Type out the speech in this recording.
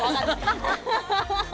ハハハハ。